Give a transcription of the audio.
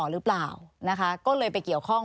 หรือเปล่านะคะก็เลยไปเกี่ยวข้อง